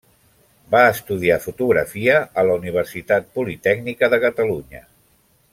Va estudiar fotografia a la Universitat Politècnica de Catalunya.